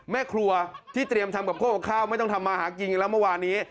แม่ครัวที่เตรียมทำกับข้าวกับข้าวไม่ต้องทำมาหากินอีกแล้วเมื่อวานนี้